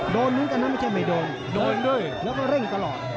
โดนหนึ่งอันนั้นไม่ใช่ไม่โดนแล้วก็เร่งตลอด